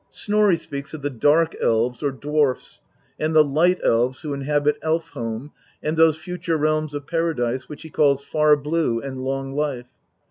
Snorri speaks of the Dark elves or dwarfs and the Light elves who inhabit Elf home and those future realms of Paradise which he calls Far blue and Long life.